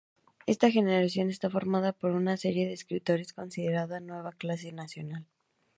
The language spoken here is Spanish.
Esta generación está formada por una serie de escritores considerada nueva clase nacional.